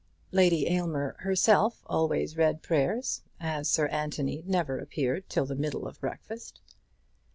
Lady Aylmer herself always read prayers, as Sir Anthony never appeared till the middle of breakfast.